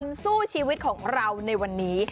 สู้ชีวิตของเราในวันนี้